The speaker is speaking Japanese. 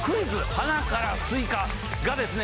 鼻からスイカ』がですね